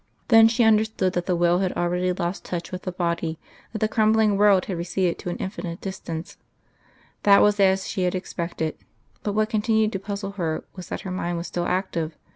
Then she understood that the will had already lost touch with the body, that the crumbling world had receded to an infinite distance that was as she had expected, but what continued to puzzle her was that her mind was still active.